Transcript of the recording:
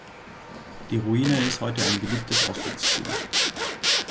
Die Ruine ist heute ein beliebtes Ausflugsziel.